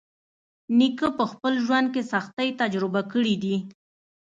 نیکه په خپل ژوند کې سختۍ تجربه کړې دي.